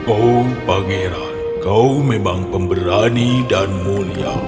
oh pangeran kau memang pemberani dan mulia